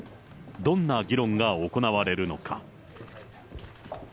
どんな議論が行われるのか。